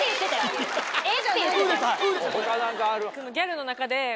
他何かある？